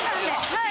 はい。